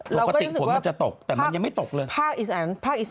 โลกอติดฝนมันจะตกแต่มันยังไม่ตกเลยเราก็รู้สึกว่าภาคอีสาน